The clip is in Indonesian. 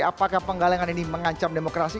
apakah penggalangan ini mengancam demokrasi